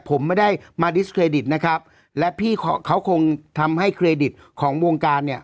ผมไม่ได้มาดิสเครดิตนะครับและพี่เขาคงทำให้เครดิตของวงการเนี่ย